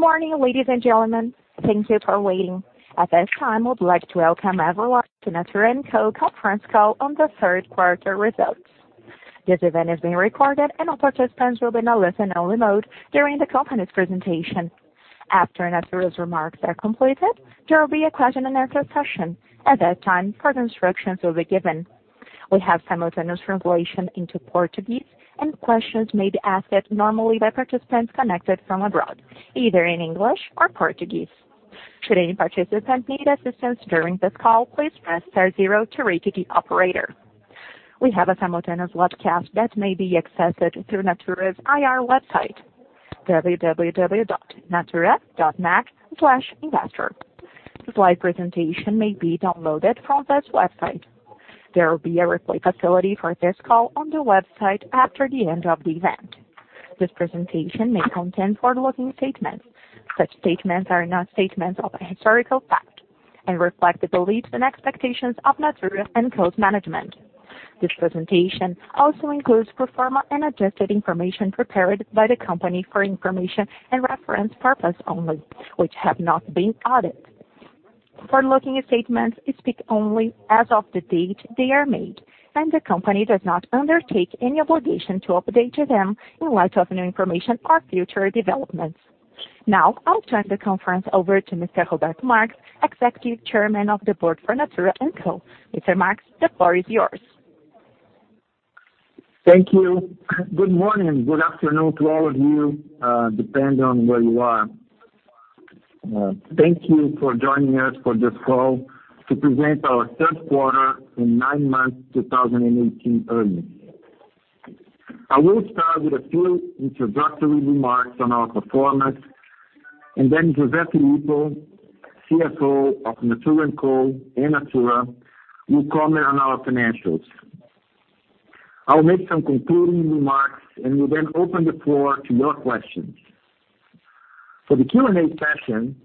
Good morning, ladies and gentlemen. Thank you for waiting. At this time, we'd like to welcome everyone to Natura & Co conference call on the third quarter results. This event is being recorded, and all participants will be in a listen-only mode during the company's presentation. After Natura's remarks are completed, there will be a question-and-answer session. At that time, further instructions will be given. We have simultaneous translation into Portuguese, and questions may be asked normally by participants connected from abroad, either in English or Portuguese. Should any participant need assistance during this call, please press star zero to reach the operator. We have a simultaneous webcast that may be accessed through Natura's IR website, www.natura.net/investor. The slide presentation may be downloaded from this website. There will be a replay facility for this call on the website after the end of the event. This presentation may contain forward-looking statements. Such statements are not statements of a historical fact and reflect the beliefs and expectations of Natura & Co's management. This presentation also includes pro forma and adjusted information prepared by the company for information and reference purpose only, which have not been audited. Forward-looking statements speak only as of the date they are made, and the company does not undertake any obligation to update them in light of new information or future developments. I'll turn the conference over to Mr. Roberto Marques, Executive Chairman of the Board for Natura & Co Mr. Marques, the floor is yours. Thank you. Good morning. Good afternoon to all of you, depending on where you are. Thank you for joining us for this call to present our third quarter and nine-month 2018 earnings. I will start with a few introductory remarks on our performance. José Filippo, CFO of Natura & Co and Natura, will comment on our financials. I will make some concluding remarks. I will then open the floor to your questions. For the Q&A session,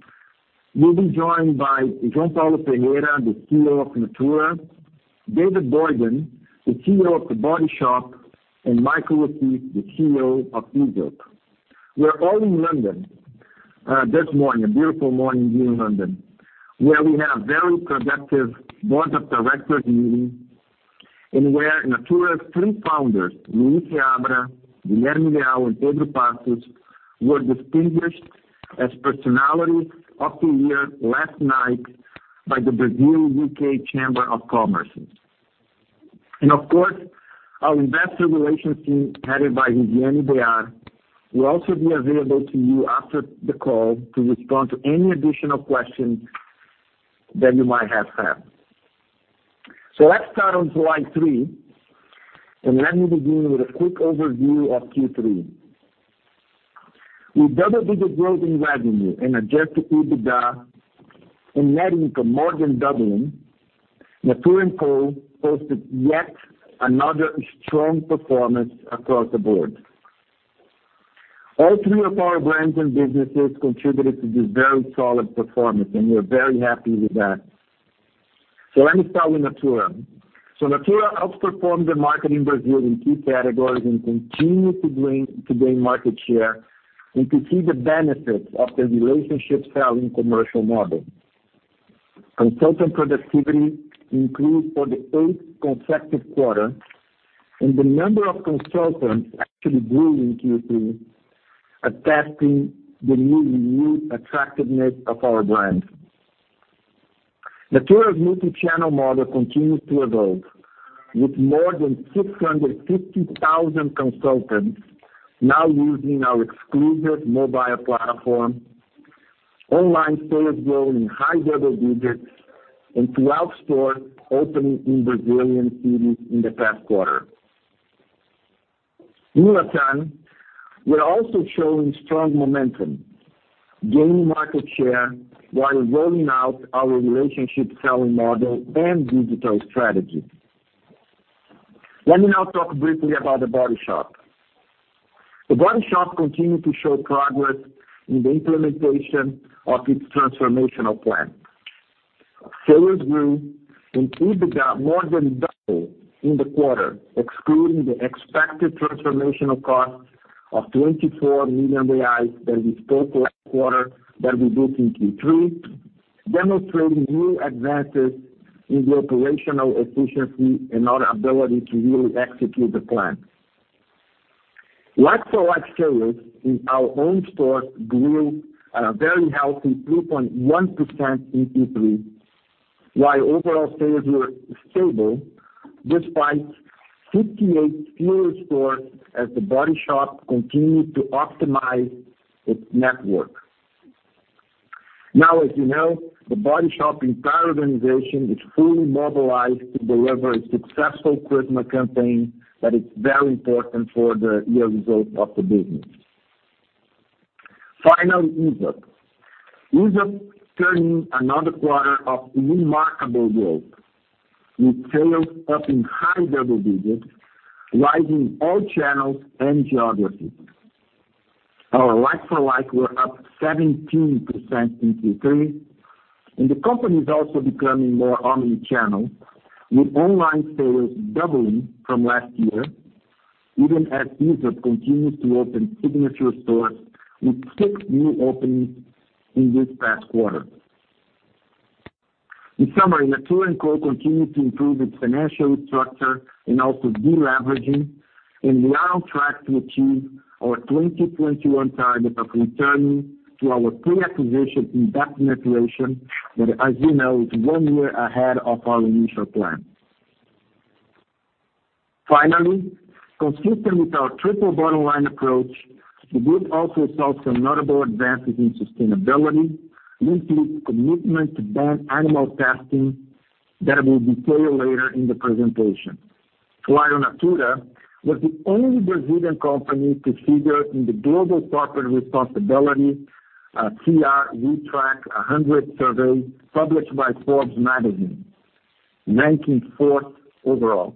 we'll be joined by João Paulo Ferreira, the CEO of Natura, David Boynton, the CEO of The Body Shop, and Michael O'Keeffe, the CEO of Aesop. We're all in London this morning, a beautiful morning here in London, where we had a very productive board of directors meeting and where Natura's three founders, Luiz Seabra, Guilherme Leal, and Pedro Passos, were distinguished as Personalities of the Year last night by the Brazil-U.K. Chamber of Commerce. Of course, our investor relations team, headed by Viviane Behar, will also be available to you after the call to respond to any additional questions that you might have. Let's start on slide three. Let me begin with a quick overview of Q3. With double-digit growth in revenue and adjusted EBITDA more than doubling, Natura & Co posted yet another strong performance across the board. All three of our brands and businesses contributed to this very solid performance. We're very happy with that. Let me start with Natura. Natura outperformed the market in Brazil in key categories and continued to gain market share and to see the benefits of the relationship selling commercial model. Consultant productivity improved for the eighth consecutive quarter, and the number of consultants actually grew in Q3, attesting the renewed attractiveness of our brand. Natura's multi-channel model continues to evolve, with more than 650,000 consultants now using our exclusive mobile platform, online sales growing high double digits, and 12 stores opening in Brazilian cities in the past quarter. Aesop, we're also showing strong momentum, gaining market share while rolling out our relationship selling model and digital strategy. Let me now talk briefly about The Body Shop. The Body Shop continued to show progress in the implementation of its transformational plan. Pre-EBITDA more than doubled in the quarter, excluding the expected transformational cost of 24 million reais that we spoke last quarter that we booked in Q3, demonstrating new advances in the operational efficiency and our ability to really execute the plan. Like-for-like sales in our own stores grew a very healthy 3.1% in Q3, while overall sales were stable despite 58 fewer stores as The Body Shop continued to optimize its network. As you know, The Body Shop entire organization is fully mobilized to deliver a successful Christmas campaign that is very important for the year result of the business. Finally, Aesop. Aesop turned in another quarter of remarkable growth, with sales up in high double digits, rising all channels and geographies. Our like-for-like were up 17% in Q3, the company is also becoming more omni-channel, with online sales doubling from last year even as these have continued to open signature stores with six new openings in this past quarter. Natura & Co continued to improve its financial structure also de-leveraging, and we are on track to achieve our 2021 target of returning to our pre-acquisition investment iteration, that, as you know, is one year ahead of our initial plan. Consistent with our triple bottom line approach, the group also saw some notable advances in sustainability, including commitment to ban animal testing that I will detail later in the presentation. Slide on Natura, was the only Brazilian company to figure in the global corporate responsibility CR RepTrak 100 survey published by Forbes magazine, ranking fourth overall.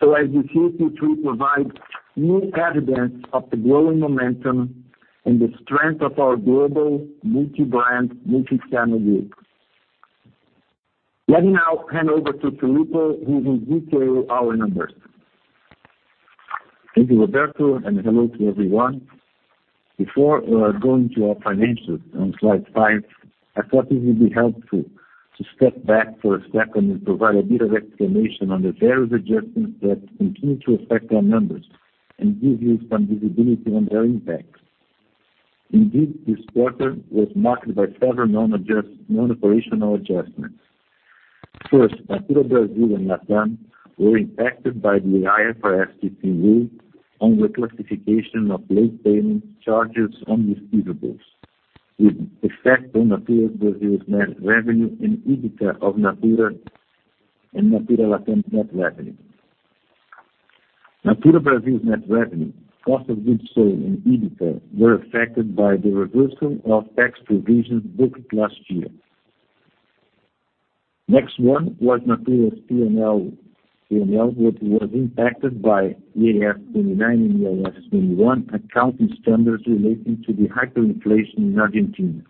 As we see Q3 provide new evidence of the growing momentum and the strength of our global multi-brand, multi-channel group. Let me now hand over to Filippo, who will detail our numbers. Thank you, Roberto, and hello to everyone. Before going to our financials on slide five, I thought it would be helpful to step back for a second and provide a bit of explanation on the various adjustments that continue to affect our numbers and give you some visibility on their impact. Indeed, this quarter was marked by several non-operational adjustments. First, Natura Brazil and LATAM were impacted by the IFRS rule on the classification of late payment charges on receivables with effect on Natura Brazil's net revenue and EBITDA of Natura and Natura LATAM's net revenue. Natura Brazil's net revenue, cost of goods sold, and EBITDA were affected by the reversal of tax provisions booked last year. Next one was Natura's P&L, which was impacted by IAS 29 and IAS 21 accounting standards relating to the hyperinflation in Argentina.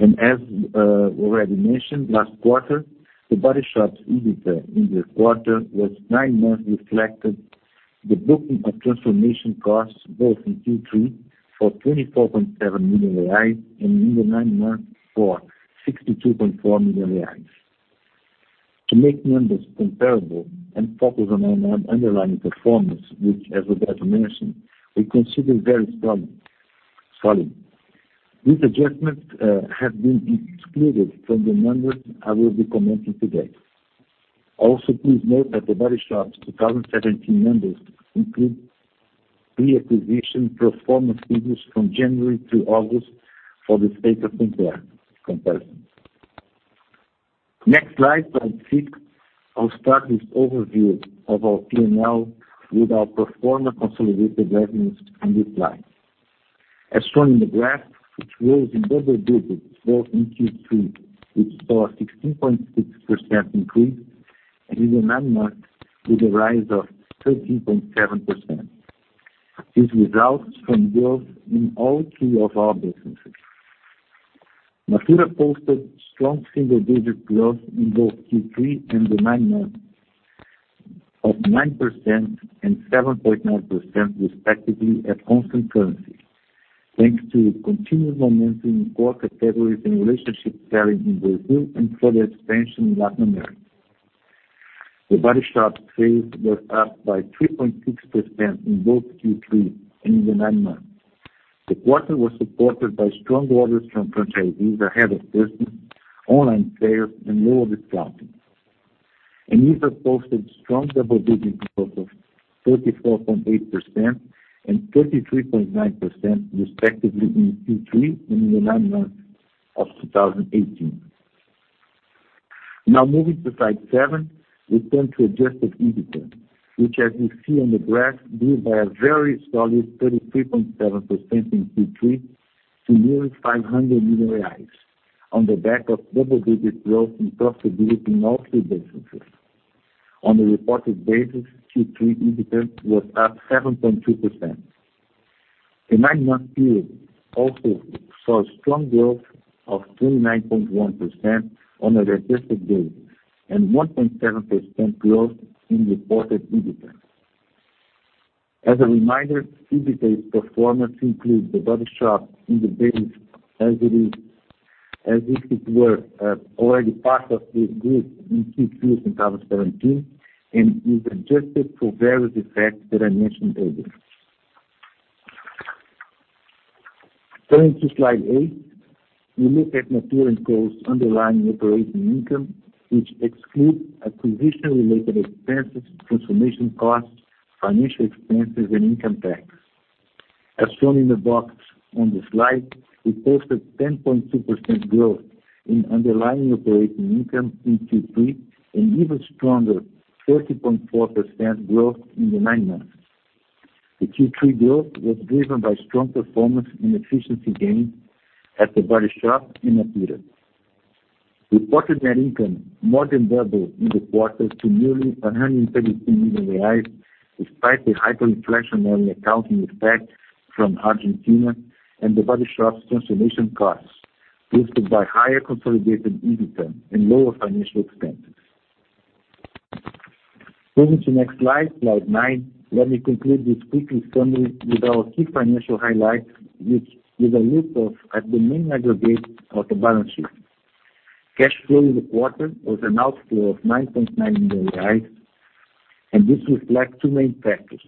As already mentioned last quarter, The Body Shop's EBITDA in this quarter was nine months, reflected the booking of transformation costs both in Q3 for 24.7 million reais and in the nine months for 62.4 million reais. To make numbers comparable and focus on underlying performance, which as Roberto mentioned, we consider very solid. These adjustments have been excluded from the numbers I will be commenting today. Also, please note that The Body Shop's 2017 numbers include pre-acquisition pro forma figures from January through August for the sake of comparison. Next slide six. I'll start this overview of our P&L with our pro forma consolidated revenues on this slide. As shown in the graph, which rose in double digits both in Q3, which saw a 16.6% increase, and in the nine months with a rise of 13.7%. These results from growth in all three of our businesses. Natura posted strong single-digit growth in both Q3 and the nine months of 9% and 7.9% respectively at constant currency, thanks to continued momentum in core categories and relationship selling in Brazil and further expansion in Latin America. The Body Shop sales were up by 3.6% in both Q3 and in the nine months. The quarter was supported by strong orders from franchisees ahead of Christmas, online sales, and lower discounting. These have posted strong double-digit growth of 34.8% and 33.9% respectively in Q3 and in the nine months of 2018. Now moving to slide seven, we turn to adjusted EBITDA, which as you see on the graph, grew by a very solid 33.7% in Q3 to nearly 500 million reais, on the back of double-digit growth in profitability in all three businesses. On a reported basis, Q3 EBITDA was up 7.2%. The nine-month period also saw strong growth of 29.1% on an adjusted basis and 1.7% growth in reported EBITDA. As a reminder, EBITDA's performance includes The Body Shop in the base as if it were already part of the group in Q3 2017 and is adjusted for various effects that I mentioned earlier. Turning to slide eight, we look at Natura & Co's underlying operating income, which excludes acquisition-related expenses, transformation costs, financial expenses, and income tax. As shown in the box on the slide, we posted 10.2% growth in underlying operating income in Q3 and even stronger 30.4% growth in the nine months. The Q3 growth was driven by strong performance and efficiency gains at The Body Shop and Natura. Reported net income more than doubled in the quarter to nearly 132 million reais, despite the hyperinflationary accounting effect from Argentina and The Body Shop's transformation costs. Boosted by higher consolidated EBITDA and lower financial expenses. Moving to next slide nine. Let me conclude this quick summary with our key financial highlights, with a look at the main aggregates of the balance sheet. Cash flow in the quarter was an outflow of 9.9 million, and this reflects two main factors.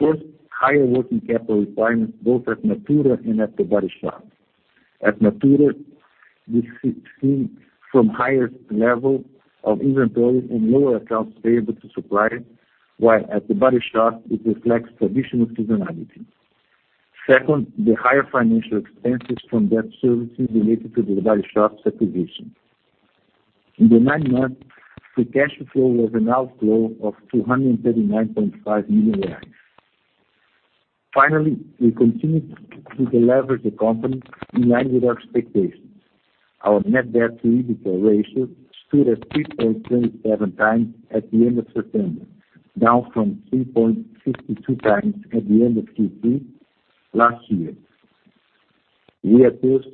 First, higher working capital requirements both at Natura and at The Body Shop. At Natura, we see from higher level of inventory and lower accounts payable to suppliers, while at The Body Shop it reflects traditional seasonality. Second, the higher financial expenses from debt services related to The Body Shop's acquisition. In the nine months, the cash flow was an outflow of 239.5 million. Finally, we continued to deleverage the company in line with our expectations. Our net debt to EBITDA ratio stood at 3.27x at the end of September, down from 3.62x at the end of Q3 last year. We are thus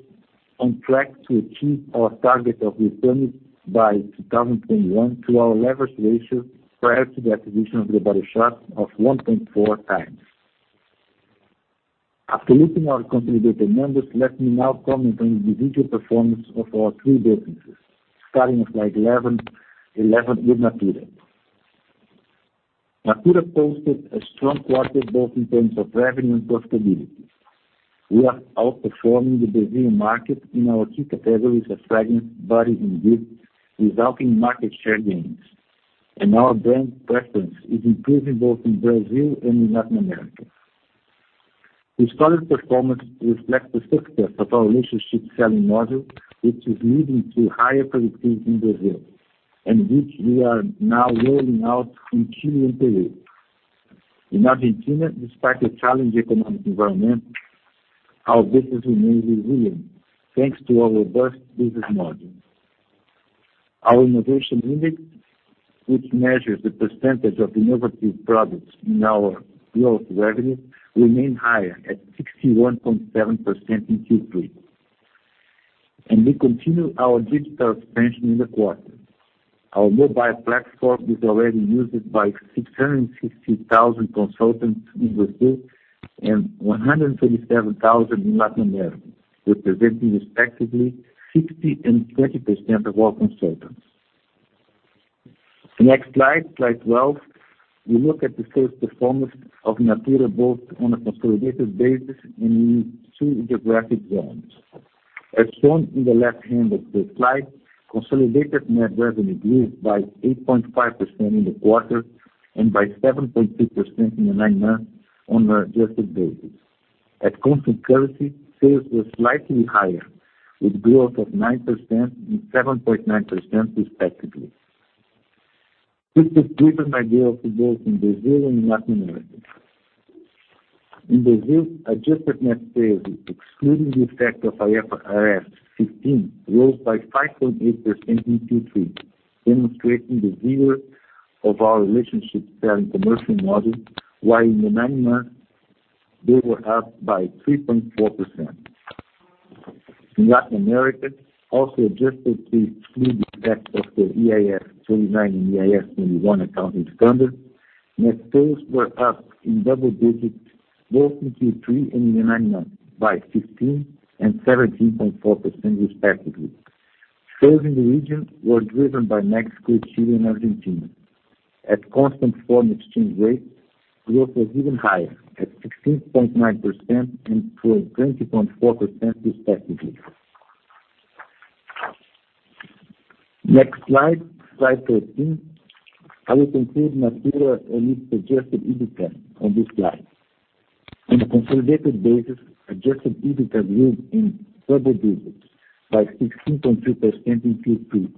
on track to achieve our target of returning by 2021 to our leverage ratio prior to the acquisition of The Body Shop of 1.4x. After looking at our consolidated numbers, let me now comment on the individual performance of our three businesses, starting at slide 11 with Natura. Natura posted a strong quarter both in terms of revenue and profitability. We are outperforming the Brazilian market in our key categories of fragrance, body, and gifts, resulting in market share gains. And our brand preference is improving both in Brazil and in Latin America. This solid performance reflects the success of our relationship selling model, which is leading to higher productivity in Brazil and which we are now rolling out in Chile and Peru. In Argentina, despite the challenging economic environment, our business remains resilient, thanks to our robust business model. Our innovation unit, which measures the percentage of innovative products in our gross revenue, remained higher at 61.7% in Q3. And we continued our digital expansion in the quarter. Our mobile platform is already used by 660,000 consultants in Brazil and 137,000 in Latin America, representing respectively 60% and 20% of all consultants. Next slide 12. We look at the sales performance of Natura both on a consolidated basis and in two geographic zones. As shown in the left-hand of the slide, consolidated net revenue grew by 8.5% in the quarter and by 7.2% in the nine months on an adjusted basis. At constant currency, sales were slightly higher with growth of 9% and 7.9% respectively. This was driven by growth in Brazil and Latin America. In Brazil, adjusted net sales, excluding the effect of IFRS 15, rose by 5.8% in Q3, demonstrating the vigor of our relationship selling commercial model, while in the nine months they were up by 3.4%. In Latin America, also adjusted to exclude the effect of the IAS 29 and IAS 21 accounting standards, net sales were up in double digits both in Q3 and in the nine months by 15% and 17.4% respectively. Sales in the region were driven by Mexico, Chile, and Argentina. At constant foreign exchange rates, growth was even higher at 16.9% and 20.4% respectively. Next slide 13. I will include Natura & Co's adjusted EBITDA on this slide. On a consolidated basis, adjusted EBITDA grew in double digits by 16.3% in Q3,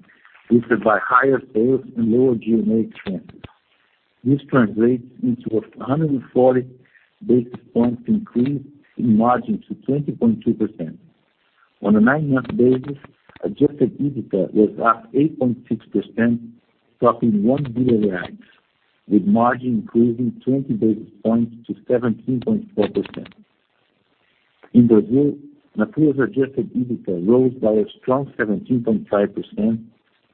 boosted by higher sales and lower G&A expenses. This translates into a 140 basis points increase in margin to 20.2%. On a nine-month basis, adjusted EBITDA was up 8.6%, topping 1 billion, with margin increasing 20 basis points to 17.4%. In Brazil, Natura's adjusted EBITDA rose by a strong 17.5%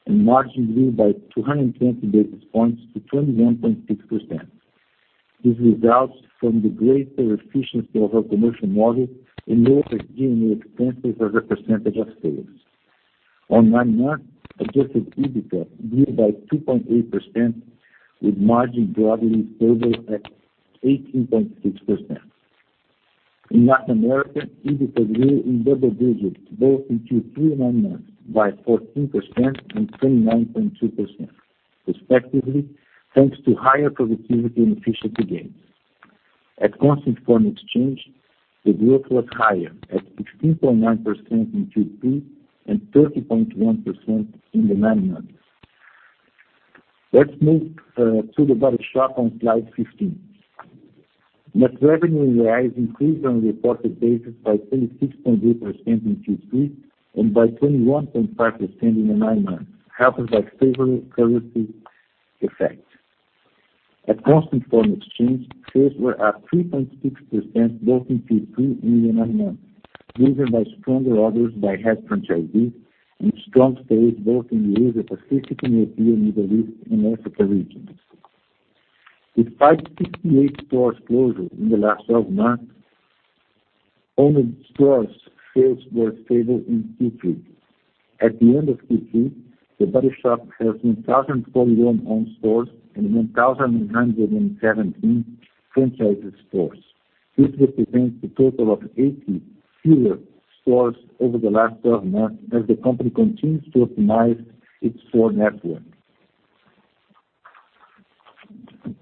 and margin grew by 220 basis points to 21.6%. This results from the greater efficiency of our commercial model and lower G&A expenses as a percentage of sales. On nine months, adjusted EBITDA grew by 2.8% with margin broadly stable at 18.6%. In Latin America, EBITDA grew in double digits both in Q3 and nine months by 14% and 29.2% respectively, thanks to higher productivity and efficiency gains. At constant foreign exchange, the growth was higher at 15.9% in Q3 and 30.1% in the nine months. Let's move to The Body Shop on slide 15. Net revenue in reais increased on a reported basis by 36.8% in Q3 and by 21.5% in the nine months, helped by favorable currency effect. At constant foreign exchange, sales were up 3.6% both in Q3 and nine months, driven by stronger orders by head franchisees and strong sales both in the Asia-Pacific and European, Middle East and Africa regions. Despite 68 stores closure in the last 12 months, owned stores sales were stable in Q3. At the end of Q3, The Body Shop has 1,041 owned stores and 1,117 franchise stores. This represents a total of 80 fewer stores over the last 12 months as the company continues to optimize its store network.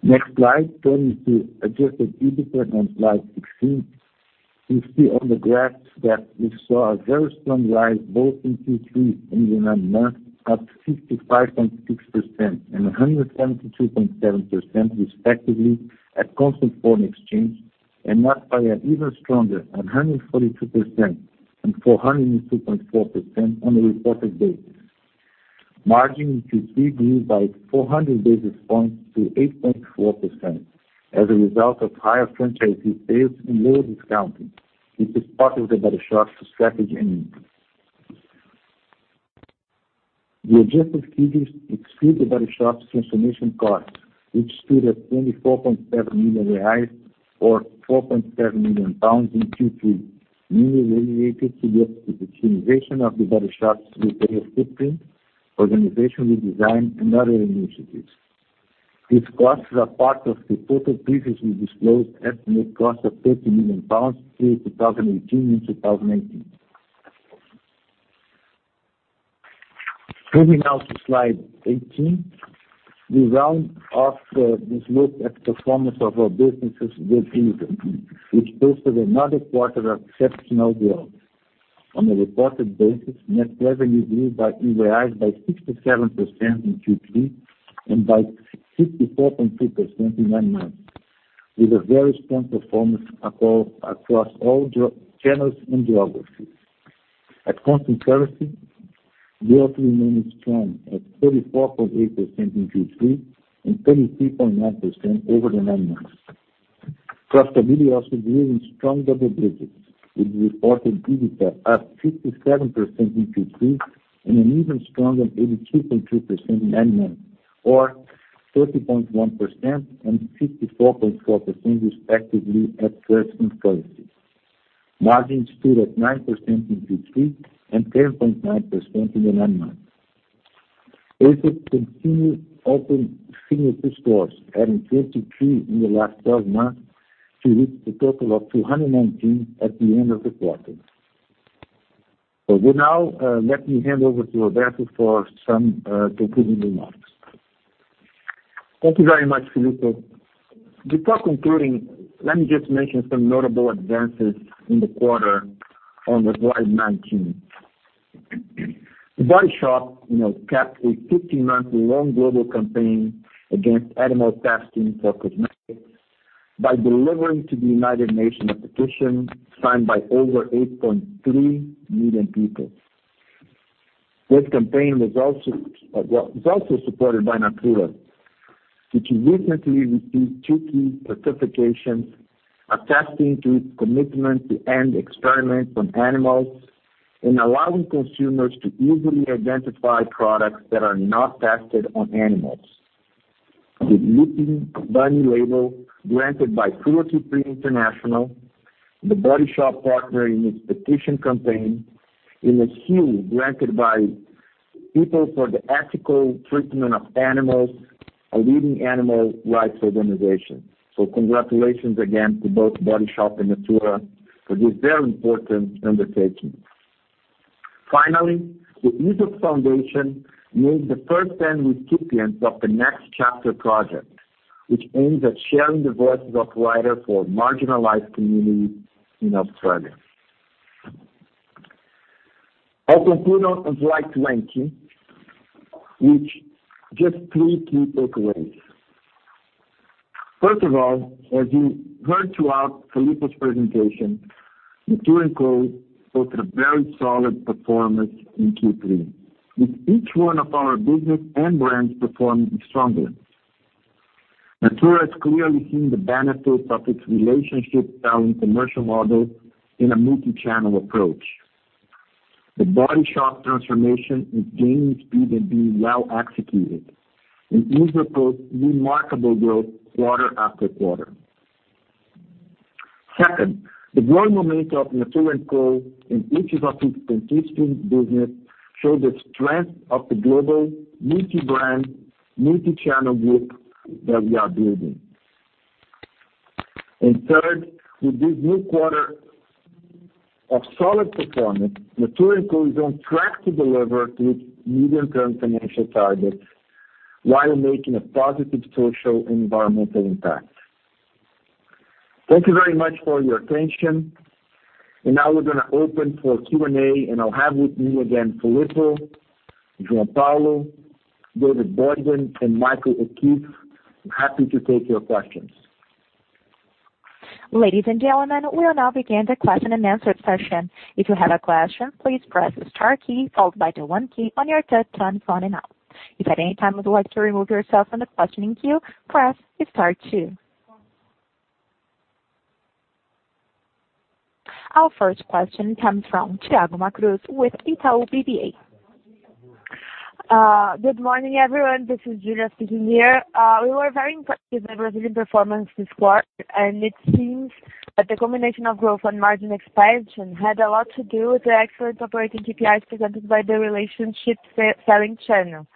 Next slide. Turning to adjusted EBITA on slide 16. You see on the graph that we saw a very strong rise both in Q3 and the nine months, up 65.6% and 172.7% respectively at constant foreign exchange, and marked by an even stronger 142% and 402.4% on a reported basis. Margin in Q3 grew by 400 basis points to 8.4%, as a result of higher franchisee sales and lower discounting, which is part of The Body Shop's strategy and mix. The adjusted EBITA exclude The Body Shop's transformation costs, which stood at 24.7 million reais, or 4.7 million pounds in Q3, mainly related to the optimization of The Body Shop's retail footprint, organizational design, and other initiatives. These costs are part of the total previously disclosed estimate cost of 30 million pounds through 2018 and 2019. Turning now to slide 18. We round off this look at performance of our businesses with Aesop, which posted another quarter of exceptional growth. On a reported basis, net revenue grew by in reais by 67% in Q3 and by 64.3% in nine months, with a very strong performance across all channels and geographies. At constant currency, growth remained strong at 34.8% in Q3 and 23.9% over the nine months. Gross profit also grew in strong double digits, with reported EBITA up 57% in Q3 and an even stronger 82.2% in nine months or 30.1% and 64.4% respectively at constant currency. Margins stood at 9% in Q3 and 10.9% in the nine months. Aesop continued opening signature stores, adding 23 in the last 12 months to reach a total of 219 at the end of the quarter. Let me hand over to Roberto for some concluding remarks. Thank you very much, Filippo. Before concluding, let me just mention some notable advances in the quarter on slide 19. The Body Shop capped a 15 months long global campaign against animal testing for cosmetics by delivering to the United Nations a petition signed by over 8.3 million people. This campaign was also supported by Natura, which recently received two key certifications attesting to its commitment to end experiments on animals and allowing consumers to easily identify products that are not tested on animals. The Leaping Bunny label granted by Cruelty Free International, The Body Shop partnered in its petition campaign, and the Beauty Without Bunnies granted by People for the Ethical Treatment of Animals, a leading animal rights organization. Congratulations again to both The Body Shop and Natura for this very important undertaking. Finally, the Aesop Foundation named the first 10 recipients of the Next Chapter project, which aims at sharing the voices of writers for marginalized communities in Australia. I'll conclude on slide 20, with just three key takeaways. First of all, as you heard throughout Filippo's presentation, Natura & Co posted a very solid performance in Q3, with each one of our business and brands performing strongly. Natura has clearly seen the benefits of its relationship-selling commercial model in a multi-channel approach. The Body Shop transformation is gaining speed and being well executed, and Aesop, remarkable growth quarter after quarter. Second, the global momentum of Natura & Co in each of its constituent business show the strength of the global multi-brand, multi-channel group that we are building. Third, with this new quarter of solid performance, Natura & Co is on track to deliver to its medium-term financial targets while making a positive social and environmental impact. Thank you very much for your attention. Now we're going to open for Q&A, and I'll have with me again, Filippo, João Paulo, David Boynton, and Michael O'Keeffe. I'm happy to take your questions. Ladies and gentlemen, we will now begin the question-and-answer session. If you have a question, please press the star key followed by the one key on your telephone now. If at any time you would like to remove yourself from the questioning queue, press star two. Our first question comes from Thiago Macruz with Itaú BBA. Good morning, everyone. This is Julia speaking here. We were very impressed with the Brazilian performance this quarter. It seems that the combination of growth and margin expansion had a lot to do with the excellent operating KPIs presented by the relationship selling channel.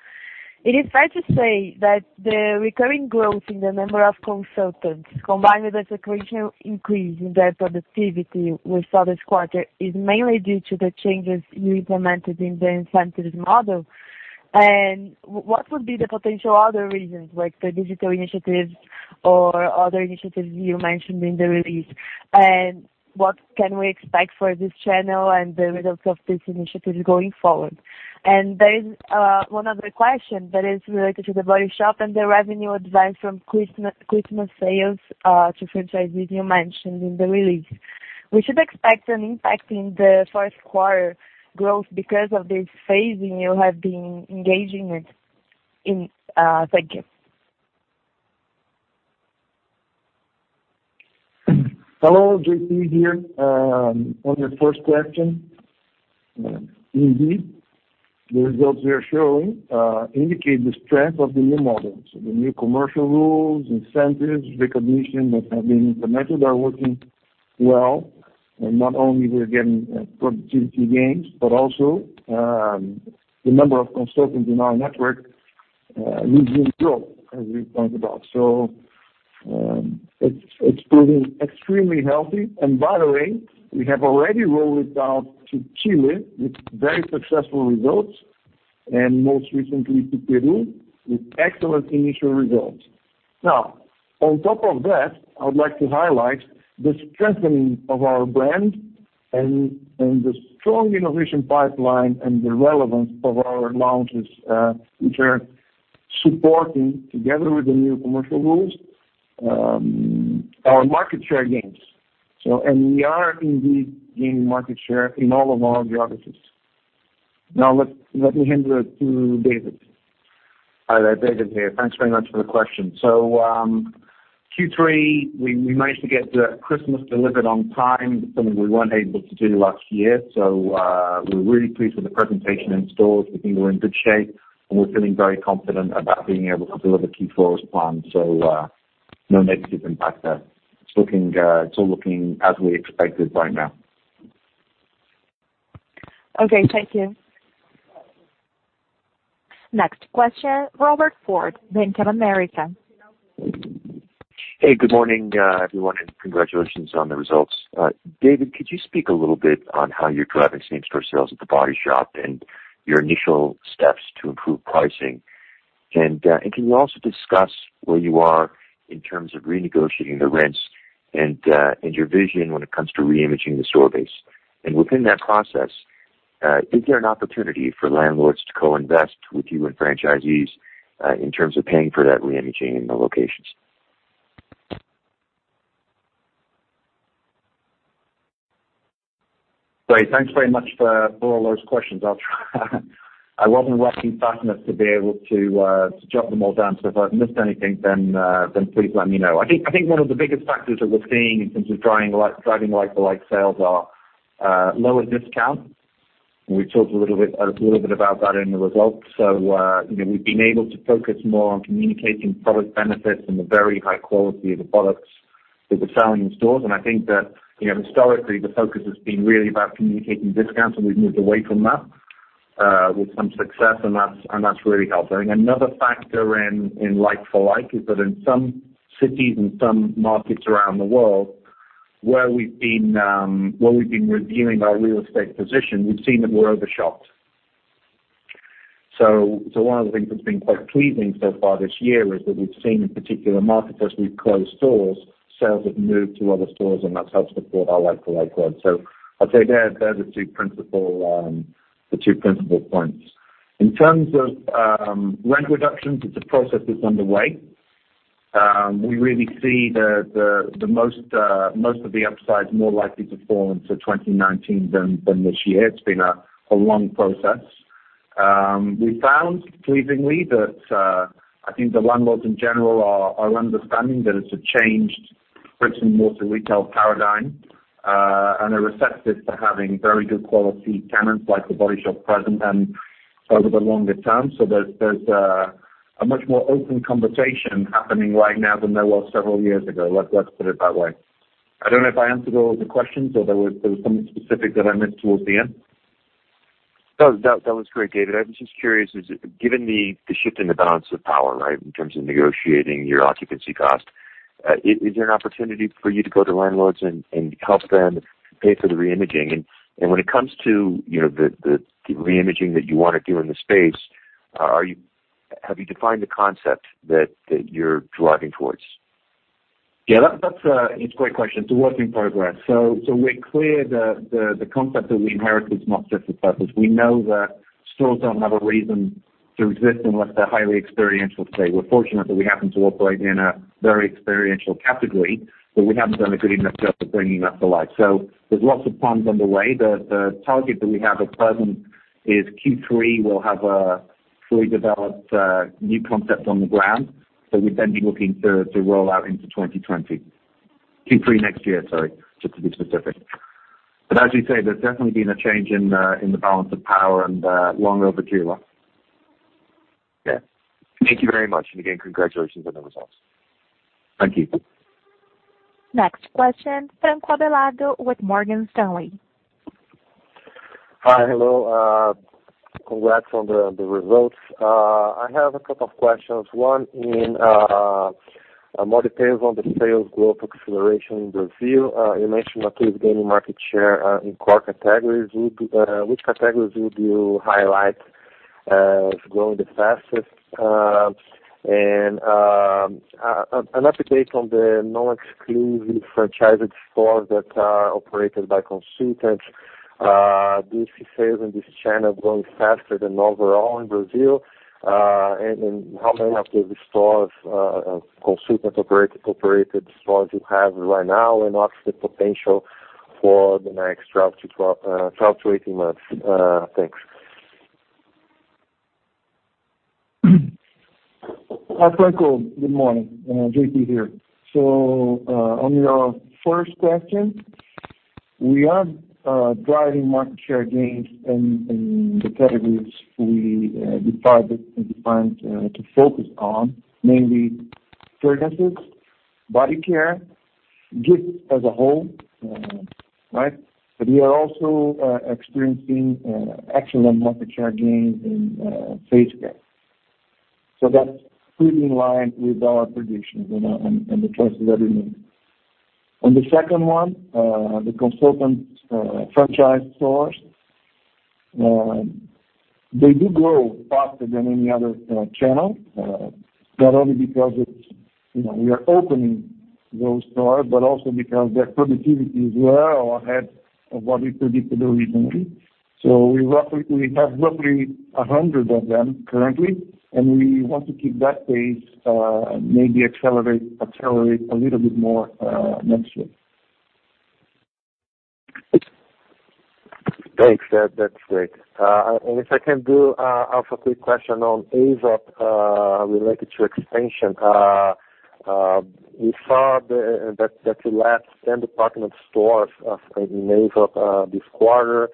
Is it fair to say that the recurring growth in the number of consultants, combined with the sequential increase in their productivity we saw this quarter, is mainly due to the changes you implemented in the incentives model? What would be the potential other reasons, like the digital initiatives or other initiatives you mentioned in the release? What can we expect for this channel and the results of these initiatives going forward? There is one other question that is related to The Body Shop and the revenue advice from Christmas sales to franchisees you mentioned in the release. We should expect an impact in the first quarter growth because of this phasing you have been engaging in. Thank you. Hello, J.P. here. On your first question. Indeed, the results we are showing indicate the strength of the new model. The new commercial rules, incentives, recognition that have been implemented are working well. Not only we are getting productivity gains, but also the number of consultants in our network is really growing, as we talked about. It's proving extremely healthy. By the way, we have already rolled it out to Chile with very successful results, and most recently to Peru with excellent initial results. On top of that, I would like to highlight the strengthening of our brand and the strong innovation pipeline and the relevance of our launches, which are supporting, together with the new commercial rules, our market share gains. We are indeed gaining market share in all of our geographies. Let me hand it to David. Hi there, David here. Thanks very much for the question. Q3, we managed to get Christmas delivered on time, something we weren't able to do last year. We're really pleased with the presentation in stores. We think we're in good shape, and we're feeling very confident about being able to deliver Q4 as planned. No negative impact there. It's all looking as we expected right now. Okay. Thank you. Next question, Robert Ford, Bank of America. Hey, good morning, everyone, congratulations on the results. David, could you speak a little bit on how you're driving same-store sales at The Body Shop and your initial steps to improve pricing? Can you also discuss where you are in terms of renegotiating the rents and your vision when it comes to reimaging the store base? Within that process, is there an opportunity for landlords to co-invest with you and franchisees in terms of paying for that reimaging in the locations? Great. Thanks very much for all those questions. I wasn't writing fast enough to be able to jot them all down. If I've missed anything, please let me know. I think one of the biggest factors that we're seeing in terms of driving like-for-like sales are lower discount. We talked a little bit about that in the results. We've been able to focus more on communicating product benefits and the very high quality of the products that we're selling in stores. I think that historically, the focus has been really about communicating discounts, and we've moved away from that with some success, and that's really helped. I think another factor in like-for-like is that in some cities and some markets around the world, where we've been reviewing our real estate position, we've seen that we're over shopped. One of the things that's been quite pleasing so far this year is that we've seen in particular markets, as we've closed stores, sales have moved to other stores, and that's helped support our like-for-like growth. I'd say they're the two principal points. In terms of rent reductions, it's a process that's underway. We really see the most of the upsides more likely to fall into 2019 than this year. It's been a long process. We found, pleasingly, that I think the landlords, in general, are understanding that it's a changed bricks-and-mortar retail paradigm, and are receptive to having very good quality tenants like The Body Shop present and over the longer term. There's a much more open conversation happening right now than there was several years ago. Let's put it that way. I don't know if I answered all the questions or there was something specific that I missed towards the end. No, that was great, David. I was just curious, given the shift in the balance of power, in terms of negotiating your occupancy cost, is there an opportunity for you to go to landlords and help them pay for the reimaging? When it comes to the reimaging that you want to do in the space, have you defined the concept that you're driving towards? Yeah, it's a great question. It's a work in progress. We're clear the concept that we inherited is not a fit for purpose. We know that- Still don't have a reason to exist unless they're highly experiential today. We're fortunate that we happen to operate in a very experiential category, but we haven't done a good enough job of bringing that to life. There's lots of plans underway. The target that we have at present is Q3. We'll have a fully developed new concept on the ground. We'd be looking to roll out into 2020, Q3 next year, sorry, just to be specific. As you say, there's definitely been a change in the balance of power and long overdue. Yeah. Thank you very much. Again, congratulations on the results. Thank you. Next question, Franco Abelardo with Morgan Stanley. Hi. Hello. Congrats on the results. I have a couple of questions. One in more details on the sales growth acceleration in Brazil. You mentioned Natura's gaining market share in core categories. Which categories would you highlight as growing the fastest? An update on the non-exclusive franchised stores that are operated by consultants. Do you see sales in this channel growing faster than overall in Brazil? How many of the stores, consultant-operated stores, you have right now, and what's the potential for the next 12-18 months? Thanks. Hi, Franco. Good morning. J.P. here. On your first question, we are driving market share gains in the categories we decided and planned to focus on, namely fragrances, body care, gifts as a whole. We are also experiencing excellent market share gains in face care. That's pretty in line with our predictions and the choices that we made. On the second one, the consultant franchise stores, they do grow faster than any other channel, not only because we are opening those stores, but also because their productivity is well ahead of what we predicted originally. We have roughly 100 of them currently, and we want to keep that pace, maybe accelerate a little bit more next year. Thanks. That's great. If I can do also a quick question on Aesop related to expansion. We saw that you left 10 department stores in Aesop this quarter.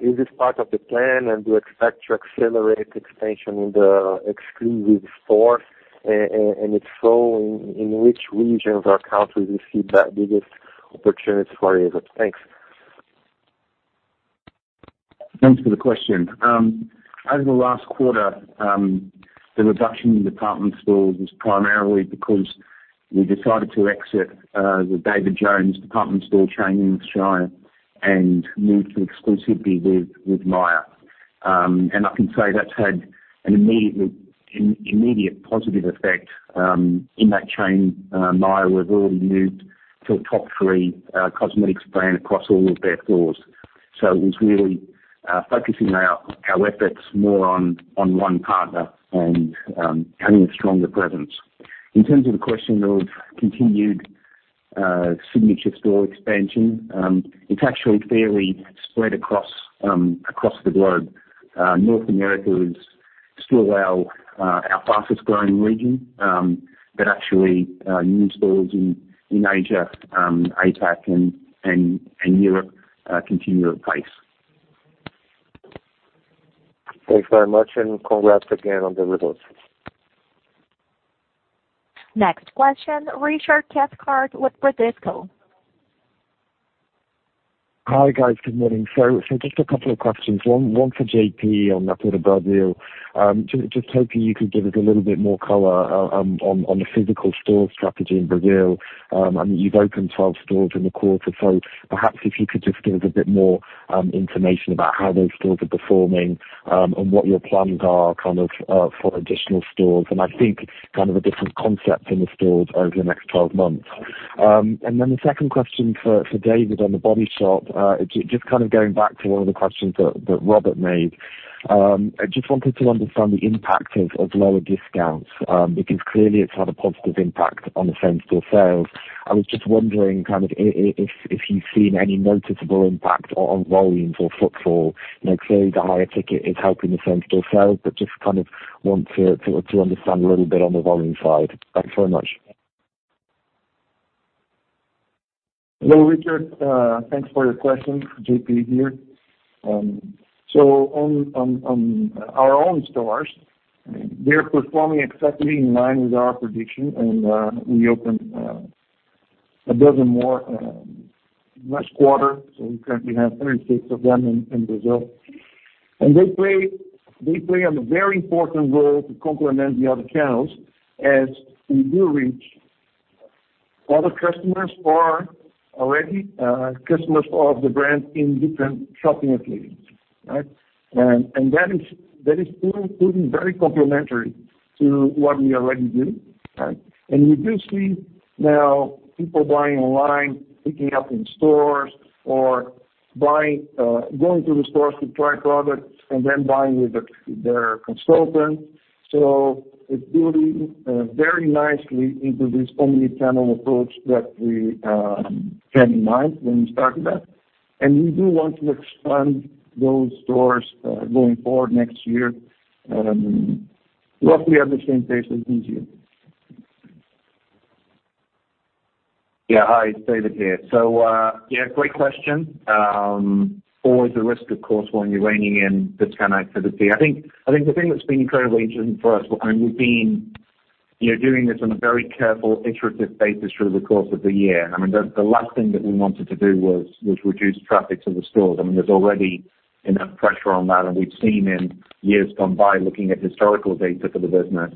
Is this part of the plan, and do you expect to accelerate expansion in the exclusive stores? If so, in which regions or countries you see the biggest opportunities for Aesop? Thanks. Thanks for the question. Over the last quarter, the reduction in department stores was primarily because we decided to exit the David Jones department store chain in Australia and move to exclusively with Myer. I can say that's had an immediate positive effect in that chain. Myer, we've already moved to a top 3 cosmetics brand across all of their stores. It was really focusing our efforts more on one partner and having a stronger presence. In terms of the question of continued signature store expansion, it's actually fairly spread across the globe. North America is still our fastest growing region. Actually, new stores in Asia, APAC, and Europe continue at pace. Thanks very much, congrats again on the results. Next question, Richard Cathcart with Bradesco. Hi, guys. Good morning. Just a couple of questions, one for J.P. on Natura Brazil. Just hoping you could give us a little bit more color on the physical store strategy in Brazil. You've opened 12 stores in the quarter, perhaps if you could just give us a bit more information about how those stores are performing, and what your plans are, kind of, for additional stores and I think, kind of, a different concept in the stores over the next 12 months. Then the second question for David on The Body Shop. Just kind of going back to one of the questions that Robert made. I just wanted to understand the impact of lower discounts, because clearly it's had a positive impact on the same store sales. I was just wondering, kind of, if you've seen any noticeable impact on volumes or footfall. Clearly the higher ticket is helping the same store sales, just kind of want to understand a little bit on the volume side. Thanks very much. Hello, Richard. Thanks for your question. J.P. here. On our own stores, they're performing exactly in line with our prediction, and we opened a dozen more last quarter, so we currently have 36 of them in Brazil. They play a very important role to complement the other channels as we do reach other customers who are already customers of the brand in different shopping occasions. Right? That is proving very complementary to what we already do, right? We do see now people buying online, picking up in stores or going to the stores to try products and then buying with their consultant. It's building very nicely into this omni-channel approach that we had in mind when we started that. We do want to expand those stores going forward next year. Hopefully, at the same pace as this year. Hi, it's David here. Great question. Always a risk, of course, when you're reining in discount activity. I think the thing that's been incredibly interesting for us, we've been doing this on a very careful, iterative basis through the course of the year. The last thing that we wanted to do was reduce traffic to the stores. There's already enough pressure on that, and we've seen in years gone by, looking at historical data for the business,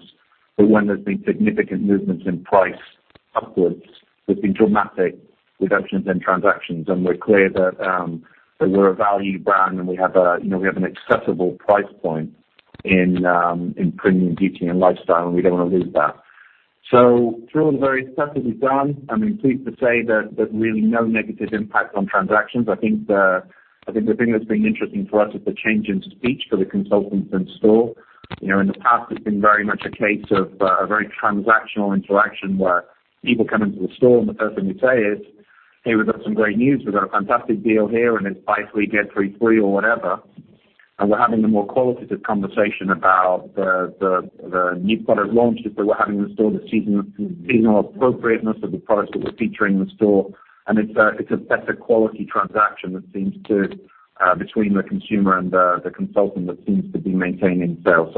that when there's been significant movements in price upwards, there's been dramatic reductions in transactions. We're clear that we're a value brand, and we have an accessible price point in premium beauty and lifestyle, and we don't want to lose that. Through all the various stuff that we've done, I'm pleased to say that really no negative impact on transactions. I think the thing that's been interesting for us is the change in speech for the consultants in store. In the past, it's been very much a case of a very transactional interaction where people come into the store and the first thing they say is, "Hey, we've got some great news. We've got a fantastic deal here, and it's buy three, get three free" or whatever. We're having a more qualitative conversation about the new product launches that we're having in the store this season, the seasonal appropriateness of the products that we're featuring in the store. It's a better quality transaction between the consumer and the consultant that seems to be maintaining sales.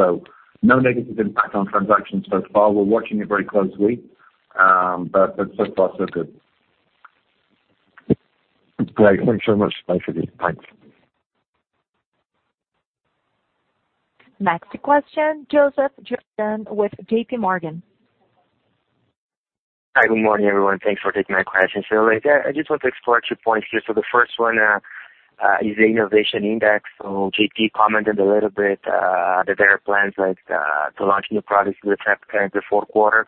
No negative impact on transactions thus far. We're watching it very closely, but so far, so good. Great. Thanks so much. Thanks. Thanks. Next question, Joseph Giordano with JPMorgan. Hi, good morning, everyone. Thanks for taking my questions. I just want to explore two points here. The first one is the innovation index. J.P. commented a little bit that there are plans to launch new products in the fourth quarter.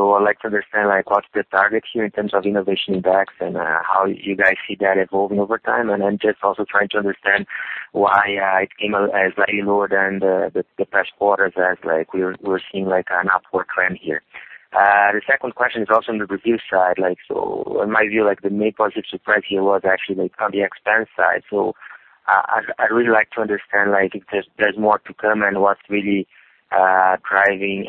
I'd like to understand what's the target here in terms of innovation index and how you guys see that evolving over time. I'm just also trying to understand why it came slightly lower than the past quarters as we're seeing an upward trend here. The second question is also on the review side. In my view, the main positive surprise here was actually on the expense side. I'd really like to understand if there's more to come and what's really driving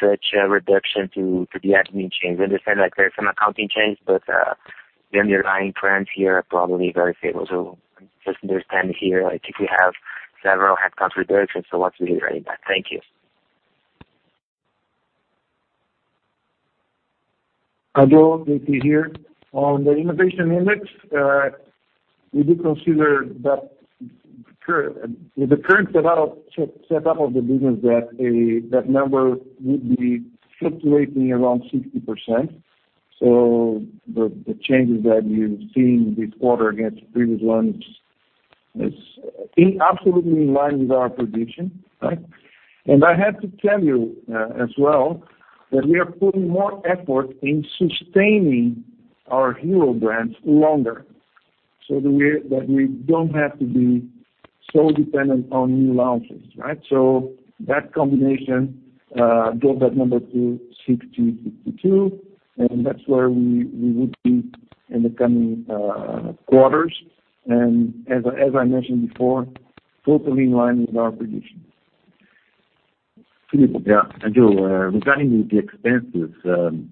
such a reduction to the admin change. I understand there's some accounting change, but the underlying trends here are probably very favorable. Just understand here if you have several headcount reductions. What's really driving that? Thank you. Hello, J.P. here. On the innovation index, we do consider that with the current setup of the business, that number would be fluctuating around 60%. The changes that you've seen this quarter against the previous one is absolutely in line with our prediction, right? I have to tell you as well, that we are putting more effort in sustaining our hero brands longer so that we don't have to be so dependent on new launches, right? That combination drove that number to 60%, 62%, and that's where we would be in the coming quarters. As I mentioned before, totally in line with our predictions. Filippo, regarding the expenses,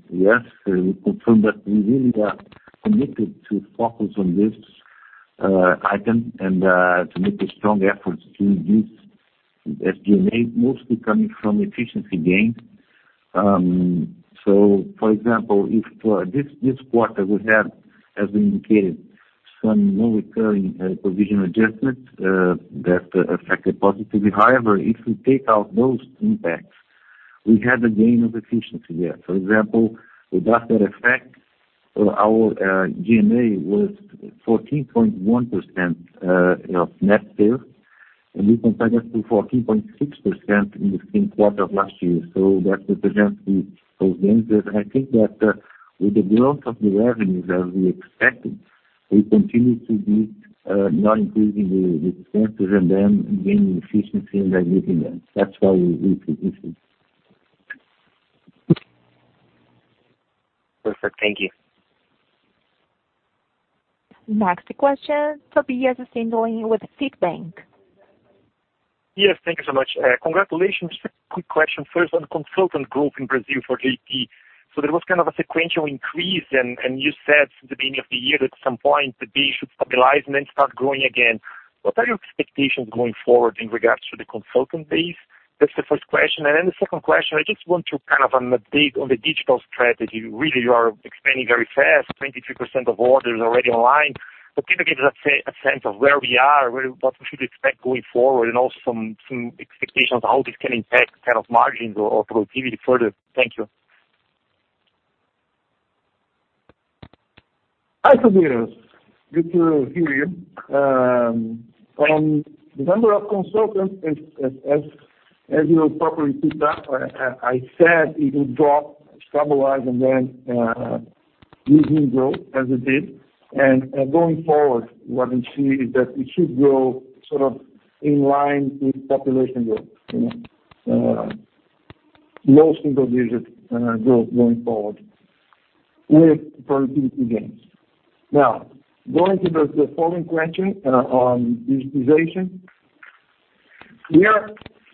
yes, we confirm that we really are committed to focus on this item and to make a strong effort to reduce SG&A, mostly coming from efficiency gains. For example, this quarter we had, as indicated, some non-recurring provision adjustments that affected positively. However, if we take out those impacts, we had a gain of efficiency there. For example, with that effect, our G&A was 14.1% of net sales, and we compare that to 14.6% in the same quarter of last year. That represents those gains there. I think that with the growth of the revenues as we expected, we continue to be not increasing the expenses and then gaining efficiency and everything else. That's why we think this is. Perfect. Thank you. Next question, [Tobias Angelini] with Citibank. Yes, thank you so much. Congratulations. Quick question first on consultant growth in Brazil for J.P. There was kind of a sequential increase, and you said since the beginning of the year that at some point the base should stabilize and then start growing again. What are your expectations going forward in regards to the consultant base? That's the first question. The second question, I just want to kind of an update on the digital strategy. Really, you are expanding very fast, 23% of orders already online. Can you give us a sense of where we are, what we should expect going forward, and also some expectations how this can impact kind of margins or productivity further? Thank you. Hi, [Tobias]. Good to hear you. On the number of consultants, as you properly picked up, I said it would drop, stabilize, and then it will grow as it did. Going forward, what we see is that it should grow sort of in line with population growth. Most single visits growth going forward with productivity gains. Going to the following question on digitization.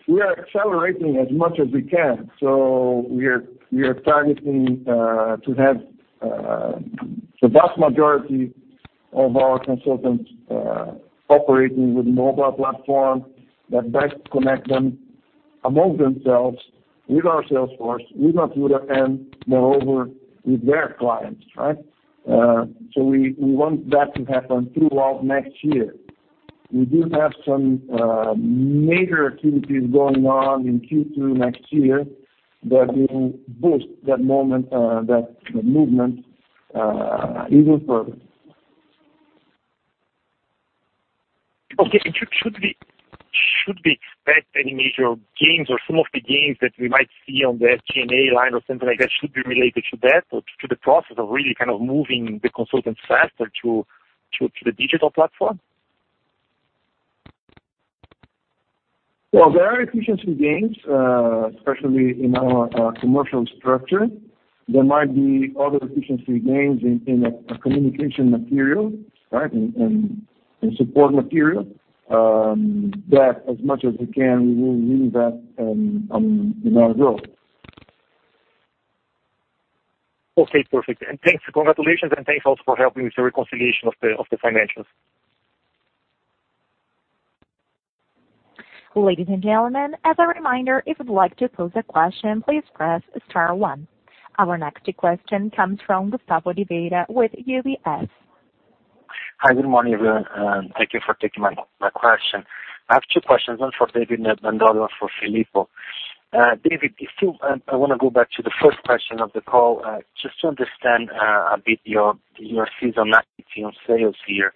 We are accelerating as much as we can. We are targeting to have the vast majority of our consultants operating with mobile platforms that best connect them among themselves with our sales force, with Natura, and moreover, with their clients, right? We want that to happen throughout next year. We do have some major activities going on in Q2 next year that will boost that movement even further. Okay. Should we expect any major gains or some of the gains that we might see on the SG&A line or something like that should be related to that or to the process of really kind of moving the consultants faster to the digital platform? Well, there are efficiency gains, especially in our commercial structure. There might be other efficiency gains in our communication material, right? In support material, that as much as we can, we will use that in our growth. Okay, perfect. Thanks. Congratulations, and thanks also for helping with the reconciliation of the financials. Ladies and gentlemen, as a reminder, if you'd like to pose a question, please press star one. Our next question comes from Gustavo Oliveira with UBS. Hi, good morning, everyone. Thank you for taking my question. I have two questions, one for David and the other one for Filippo. David, I want to go back to the first question of the call. Just to understand a bit your seasonality on sales here.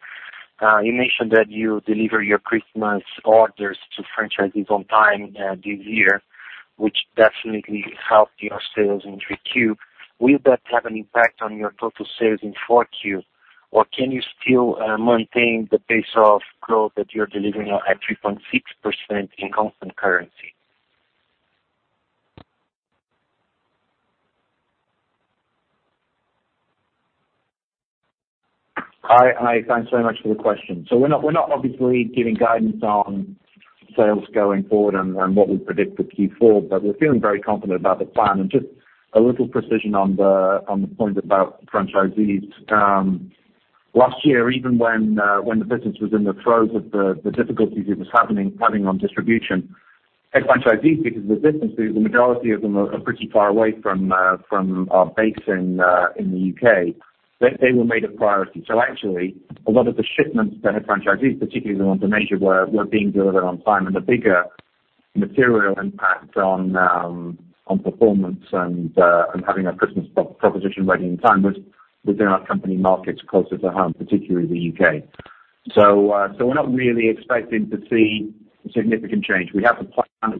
You mentioned that you deliver your Christmas orders to franchisees on time this year, which definitely helped your sales in Q3. Will that have an impact on your total sales in Q4? Or can you still maintain the pace of growth that you're delivering at 3.6% in constant currency? Hi. Thanks so much for the question. We're not obviously giving guidance on sales going forward and what we predict for Q4, but we're feeling very confident about the plan. Just a little precision on the point about franchisees. Last year, even when the business was in the throes of the difficulties it was having on distribution, franchisees, because of the distances, the majority of them are pretty far away from our base in the U.K. They were made a priority. Actually, a lot of the shipments that had franchisees, particularly the ones in Asia, were being delivered on time. The bigger material impact on performance and having a Christmas proposition ready in time was within our company markets closer to home, particularly the U.K. We're not really expecting to see a significant change. We have the plan. As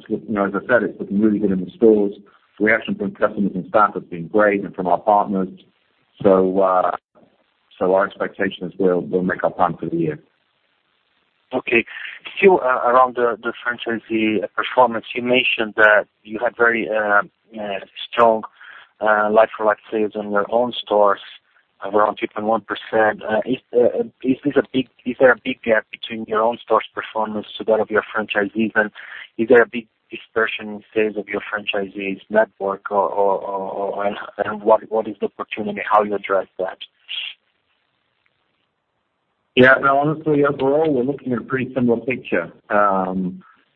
I said, it's looking really good in the stores. Reaction from customers and staff has been great and from our partners. Our expectation is we'll make our plan for the year. Okay. Still around the franchisee performance. You mentioned that you had very strong like-for-like sales in your own stores around 3.1%. Is there a big gap between your own store's performance to that of your franchisees? Is there a big dispersion in sales of your franchisees network? What is the opportunity? How you address that? Yeah, no, honestly, overall, we're looking at a pretty similar picture.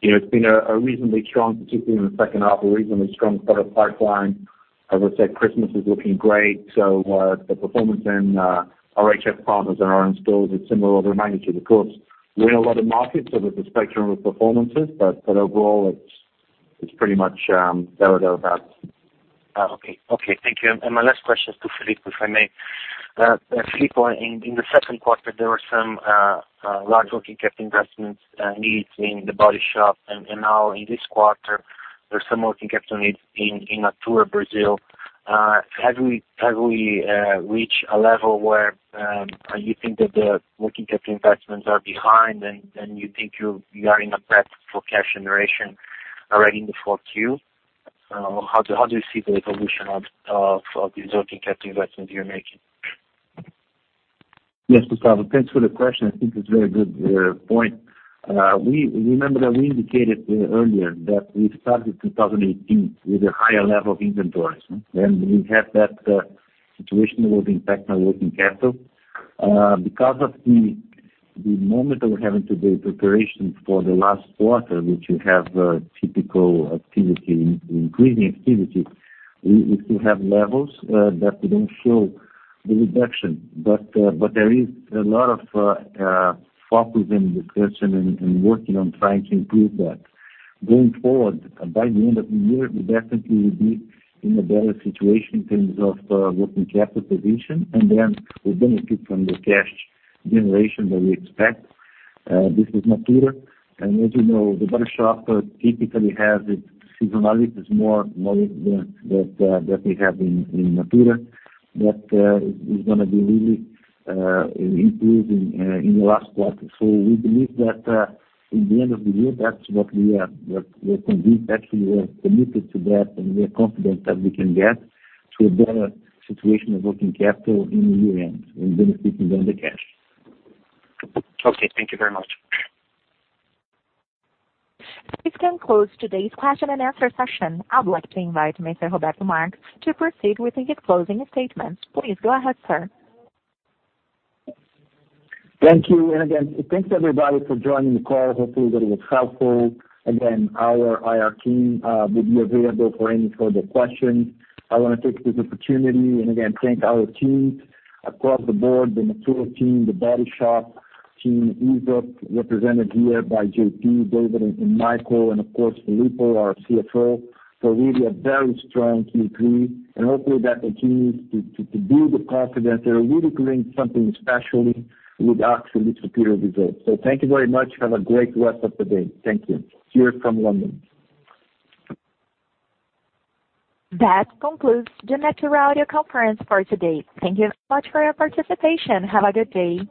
It's been reasonably strong, particularly in the second half, a reasonably strong product pipeline. I would say Christmas is looking great. The performance in our [HS partners] and our own stores is similar order of magnitude. Of course, we're in a lot of markets, so there's a spectrum of performances, but overall, it's pretty much there or thereabouts. Okay. Thank you. My last question is to Filippo, if I may. Filippo, in the second quarter, there were some large working capital investments needs in The Body Shop, and now in this quarter, there's some working capital needs in Natura Brazil. Have we reached a level where you think that the working capital investments are behind and you think you are in a breadth for cash generation already in the Q4? How do you see the evolution of these working capital investments you're making? Yes, Gustavo, thanks for the question. I think it's a very good point. Remember that we indicated earlier that we started 2018 with a higher level of inventories. We had that situation that would impact our working capital. Because of the moment that we're having today, preparation for the last quarter, which you have typical activity, increasing activity. We still have levels that don't show the reduction. There is a lot of focus and discussion and working on trying to improve that. Going forward, by the end of the year, we definitely will be in a better situation in terms of working capital position, we benefit from the cash generation that we expect. This is Natura. As you know, The Body Shop typically has its seasonality, it's more that we have in Natura. It's going to be really improving in the last quarter. We believe that in the end of the year, that's what we are convinced. Actually, we are committed to that, and we are confident that we can get to a better situation of working capital in the year-end and benefiting from the cash. Okay. Thank you very much. This concludes today's question and answer session. I would like to invite Mr. Roberto Marques to proceed with the closing statements. Please go ahead, sir. Thank you. Again, thanks everybody for joining the call. Hopefully, that it was helpful. Our IR team will be available for any further questions. I want to take this opportunity and again, thank our teams across the board, the Natura team, The Body Shop team, Aesop, represented here by J.P., David, and Michael, and of course, Filippo, our CFO, for really a very strong Q3 and hopefully that continues to build the confidence that we're really doing something special with absolutely superior results. Thank you very much. Have a great rest of the day. Thank you. Cheers from London. That concludes the Natura audio conference for today. Thank you much for your participation. Have a good day.